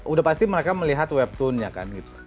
udah pasti mereka melihat webtoonnya kan gitu